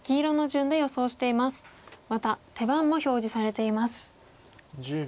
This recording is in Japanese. また手番も表示されています。